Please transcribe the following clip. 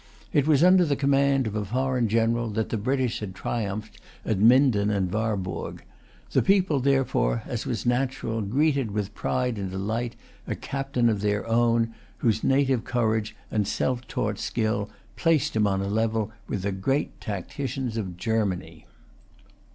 It was under the command of a foreign general that the British had triumphed at Minden and Warburg. The people therefore, as was natural, greeted with pride and delight a captain of their own, whose native courage and self taught skill had placed him on a level with the great tacticians of Germany.